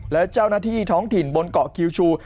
และเจ้าหน้าที่ท้องถิ่นบนเกาะคิวชู